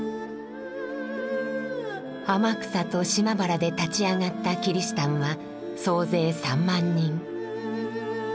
天草と島原で立ち上がったキリシタンは総勢３万人。